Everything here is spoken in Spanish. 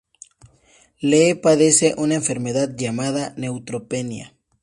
Lee padece una enfermedad llamada neutropenia.